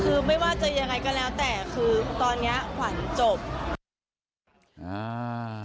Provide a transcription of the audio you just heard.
คือไม่ว่าจะยังไงก็แล้วแต่คือตอนเนี้ยขวัญจบอ่า